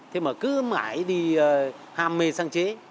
thế mà cứ mãi đi hàm mê sáng chế